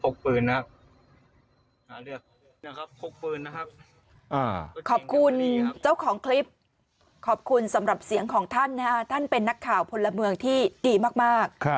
ขอบคุณเจ้าของคลิปสำหรับเสียงของท่านนะฮะท่านเป็นนักข่าวพลเมืองที่ดีมากมาก